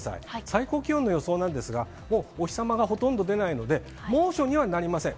最高気温の予想なんですが、もうお日様がほとんど出ないので、猛暑にはなりません。